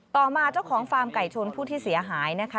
ต่อมาเจ้าของฟาร์มไก่ชนผู้ที่เสียหายนะคะ